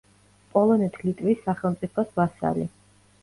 პოლონეთ-ლიტვის სახელმწიფოს ვასალი.